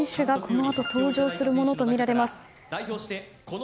大谷選手がこのあと登場するものとみられます。